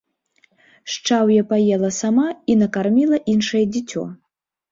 Шчаўе паела сама і накарміла іншае дзіцё.